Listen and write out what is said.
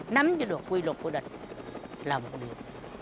nắm cho được quy luật của địch là một điều